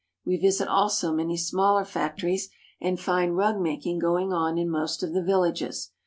We visit also many smaller factories, and find rug making going on in most of the villages.